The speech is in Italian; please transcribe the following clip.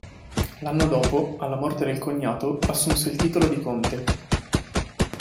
L'anno dopo, alla morte del cognato, assunse il titolo di conte.